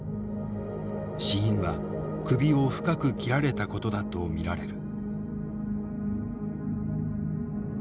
死因は首を深く切られたことだと見られる。